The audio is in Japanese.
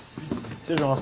失礼します。